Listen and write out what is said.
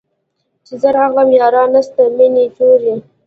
چي زه راغلم ياران نسته مېني توري